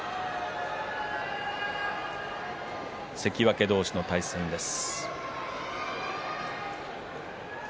関脇同士の対戦です。